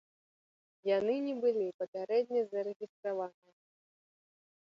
Яны не былі папярэдне зарэгістраваныя.